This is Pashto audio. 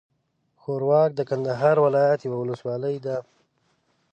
ښوراوک د کندهار ولايت یوه اولسوالي ده.